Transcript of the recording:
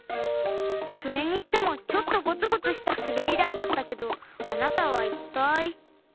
それにしてもちょっとゴツゴツしたすべりだいだったけどあなたはいったい？